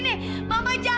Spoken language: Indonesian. mama jahat mama jahat